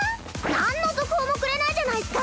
なんの続報もくれないじゃないっスか。